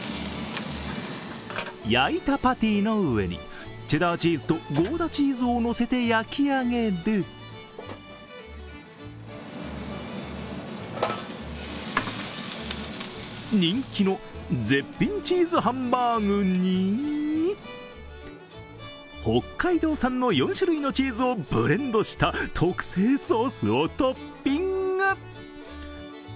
焼いたパティの上にチェダーチーズとゴーダチーズを乗せて焼き上げる人気の絶品チーズハンバーグに北海道産の４種類のチーズをブレンドした特製ソースをトッピング。